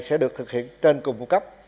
sẽ được thực hiện trên cùng cấp